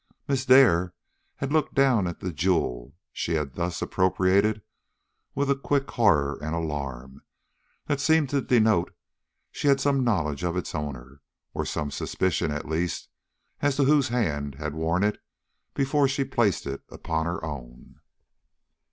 _" Miss Dare had looked down at the jewel she had thus appropriated, with a quick horror and alarm that seemed to denote she had some knowledge of its owner, or some suspicion, at least, as to whose hand had worn it before she placed it upon her own.